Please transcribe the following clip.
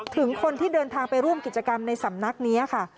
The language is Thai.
ถึงคนที่เดินทางไปร่วมกิจกรรมในสำนักนี้ค่ะ